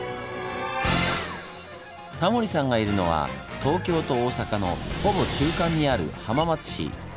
タモリさんがいるのは東京と大阪のほぼ中間にある浜松市。